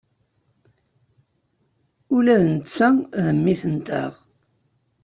Ula d netta d mmi-tneɣ.